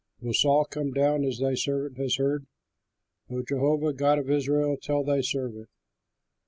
Will Saul come down, as thy servant has heard? O Jehovah, God of Israel, tell thy servant."